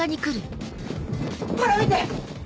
ほら見て！